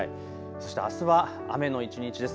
そしてあすは雨の一日です。